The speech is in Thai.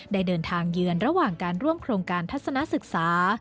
ได้เดินทางเยือนระหว่างการร่วมโครงการทัศนศึกษา